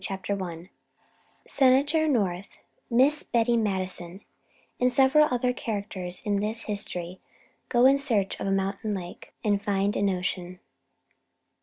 Part II _Senator North, Miss Betty Madison, and several other Characters in this History go in search of a Mountain Lake and find an Ocean.